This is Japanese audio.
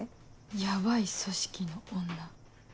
ヤバい組織の女。